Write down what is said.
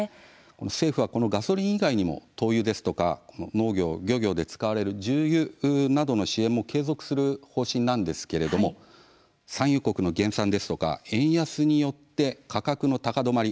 政府はガソリン以外にも灯油ですとか、農業や漁業で使われます重油などの支援も継続する方針なんですけれども産油国の減産ですとか円安によって価格の高止まり